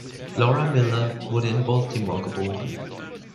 Laura Miller wurde in Baltimore geboren.